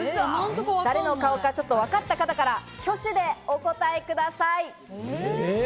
誰の顔か、分かった方から挙手でお答えください。